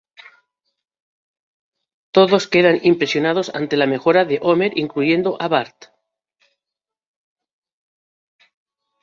Todos quedan impresionados ante la mejora de Homer, incluyendo a Bart.